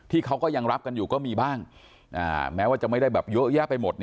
ที่เขาก็ยังรับกันอยู่ก็มีบ้างแม้ว่าจะไม่ได้แบบเยอะแยะไปหมด